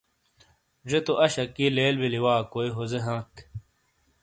زے تو اَش اکی لیل بِیلی وا کوئی ھوزے ھانک۔